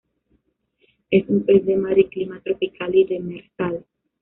Es un pez de mar y clima tropical y demersal.